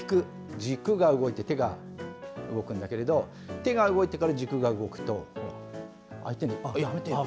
軸が動いて手が動くんだけれど手が動いてから軸が動くと。